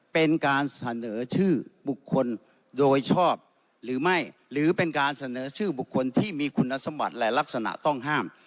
เป็นการเสนอชื่อบุคคลโดยชอบหรือไม่หรือเป็นการเสนอชื่อบุคคลที่มีคุณสมบัติและลักษณะต้องห้าม